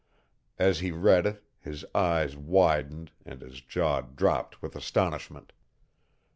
As he read it his eyes widened and his jaw dropped with astonishment.